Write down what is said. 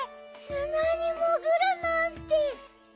すなにもぐるなんて。